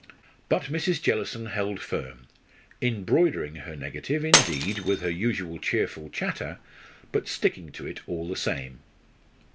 But Mrs. Jellison held firm, embroidering her negative, indeed, with her usual cheerful chatter, but sticking to it all the same.